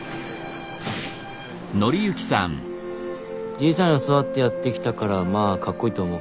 じいちゃんそうやってやってきたからまあかっこいいと思う。